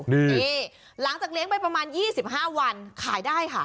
นี่หลังจากเลี้ยงไปประมาณ๒๕วันขายได้ค่ะ